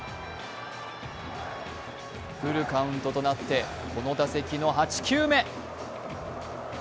フルカウントとなって、この打席の８球目。